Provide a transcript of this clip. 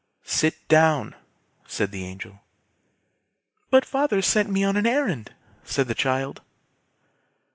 "Sit down!" said the Angel. "But father sent me on an errand!" said the child.